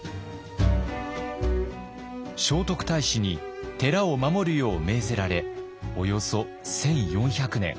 聖徳太子に寺を守るよう命ぜられおよそ１，４００年。